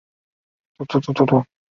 修私摩古印度摩揭陀国的王子。